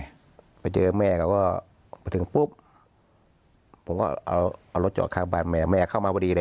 โบ๊ทไปเจอแม่เค้าก็ไปถึงปุ๊บผมก็เอารถจอกครับบ้านแม่มาเมคเข้ามาดูดี้เลย